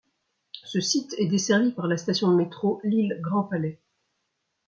Ce site est desservi par la station de métro Lille Grand Palais.